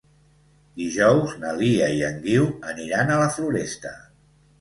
Dijous na Lia i en Guiu aniran a la Floresta.